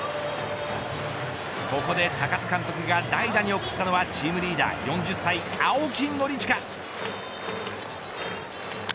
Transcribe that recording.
ここで高津監督が代打に送ったのはチームリーダー４０歳、青木宣親。